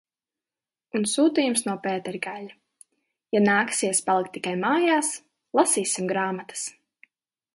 Un sūtījums no Pētergaiļa – ja nāksies palikt tikai mājās, lasīsim grāmatas!